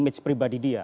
dan image pribadi dia